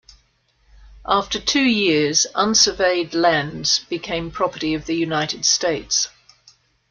After two years, unsurveyed lands became property of the United States.